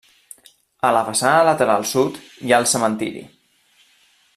A la façana lateral sud hi ha el cementiri.